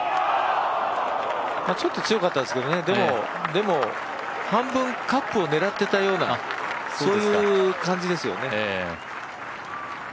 ちょっと強かったんですけどでも半分カップを狙ってたようなそういう感じですよね。